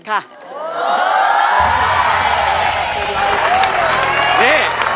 นี่